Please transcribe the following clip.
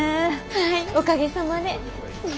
はいおかげさまで。